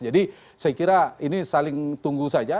jadi saya kira ini saling tunggu saja